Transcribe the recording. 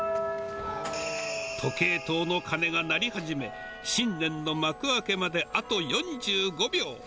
時計塔の鐘が鳴り始め、新年の幕開けまであと４５秒。